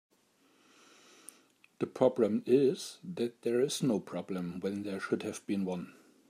The problem is that there is no problem when there should have been one.